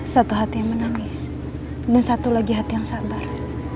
satu hati yang menangis dan satu lagi hati yang sabar